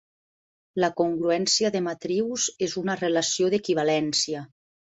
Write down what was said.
La congruència de matrius és una relació d'equivalència.